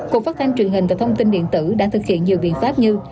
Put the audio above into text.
cục phát thanh truyền hình và thông tin điện tử đã thực hiện nhiều biện pháp như